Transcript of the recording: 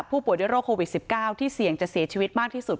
ผู้ป่วยด้วยโรคโควิด๑๙ที่เสี่ยงจะเสียชีวิตมากที่สุด